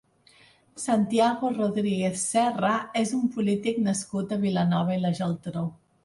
Santiago Rodríguez Serra és un polític nascut a Vilanova i la Geltrú.